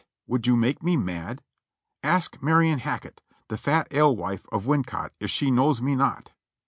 would you make me mad? Ask Marion Hackett. the fat ale wife of Wincot, if she knows me not?"